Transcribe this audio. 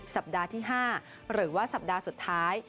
สัปดาห์ที่๕หรือว่าสัปดาห์สุดท้าย